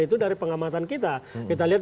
itu dari pengamatan kita kita lihat